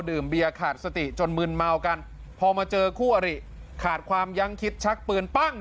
เบียร์ขาดสติจนมืนเมากันพอมาเจอคู่อริขาดความยั้งคิดชักปืนปั้ง